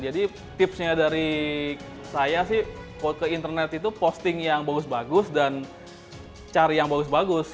jadi tipsnya dari saya sih ke internet itu posting yang bagus bagus dan cari yang bagus bagus